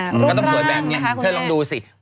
อ่ารูปร่างค่ะคุณแม่เธอลองดูสิ